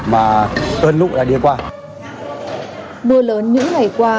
mưa lớn những ngày qua